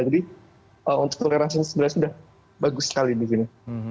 jadi untuk toleransi sebenarnya sudah bagus sekali di sini